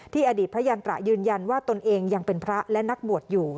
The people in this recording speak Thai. อดีตพระยันตระยืนยันว่าตนเองยังเป็นพระและนักบวชอยู่